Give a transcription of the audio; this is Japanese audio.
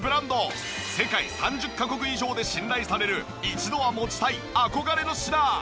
世界３０カ国以上で信頼される一度は持ちたい憧れの品。